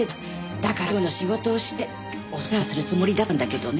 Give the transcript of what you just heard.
だから最後の仕事をしておさらばするつもりだったんだけどね。